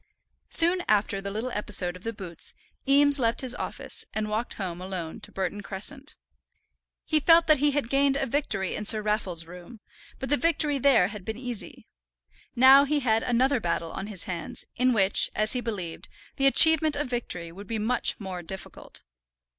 Soon after the little episode of the boots Eames left his office, and walked home alone to Burton Crescent. He felt that he had gained a victory in Sir Raffle's room, but the victory there had been easy. Now he had another battle on his hands, in which, as he believed, the achievement of victory would be much more difficult.